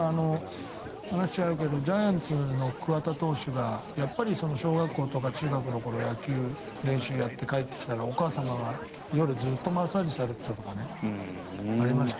話が違うけどジャイアンツの桑田投手が小学校とか中学の頃野球練習をやって帰ってきたらお母さんがずっとマッサージをされていたとかありました。